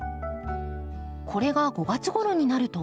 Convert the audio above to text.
これが５月ごろになると。